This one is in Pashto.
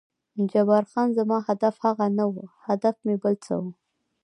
جبار خان: زما هدف هغه نه و، هدف مې بل څه و.